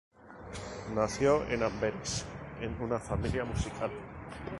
Nació en Amberes en una familia musical.